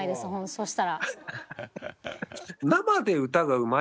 そしたら。